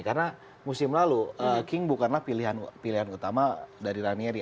karena musim lalu king bukanlah pilihan utama dari ranieri